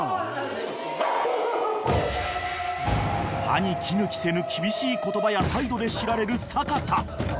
［歯に衣着せぬ厳しい言葉や態度で知られる阪田］